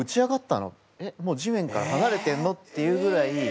もう地面から離れてるの？」っていうぐらい。